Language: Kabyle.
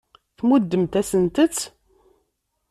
Tmuddemt-asent-tt.